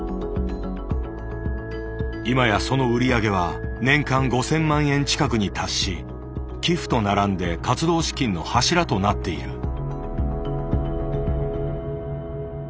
今やその売り上げは年間５，０００万円近くに達し寄付と並んで活動資金の柱となっている。